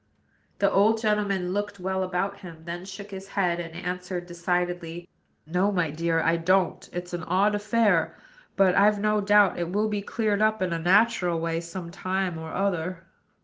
The old gentleman looked well about him; then shook his head, and answered decidedly: "No, my dear, I don't. It's an odd affair; but, I've no doubt, it will be cleared up in a natural way sometime or other."